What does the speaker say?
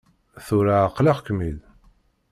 Tura ɛeqleɣ-kem-id.